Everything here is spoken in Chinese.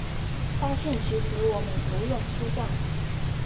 发现其实我们不用出站